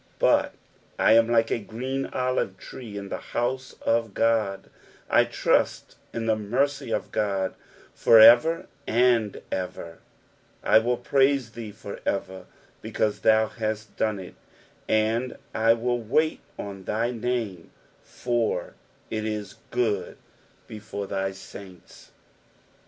8 But I am like a green olive tree in the house of God : I trust in the mercy of God for ever and ever, 9 I will praise thee for ever, because thou hast done it: and I will wait on thy name ; for if is good before thy saints.